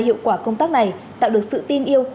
hiệu quả công tác này tạo được sự tin yêu